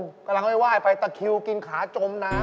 กำลังไหว้ไปตะคิวกินขาจมน้ำ